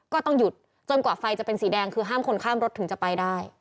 ก็ต้องหยุดจนกว่าไฟจะเป็นสีแดงคือห้ามคนข้ามรถถึงจะไปได้